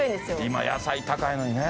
今野菜高いのにね。